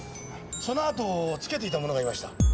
そのあとをつけていた者がいました。